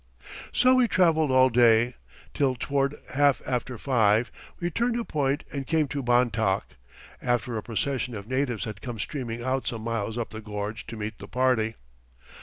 So we trailed all day, till toward half after five we turned a point and came to Bontoc, after a procession of natives had come streaming out some miles up the gorge to meet the party.